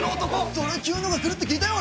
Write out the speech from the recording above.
それ級のが来るって聞いたよ